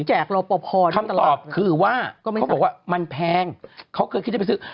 รอปภคำตอบคือว่าเขาบอกว่ามันแพงเขาเคยคิดจะไปซื้อ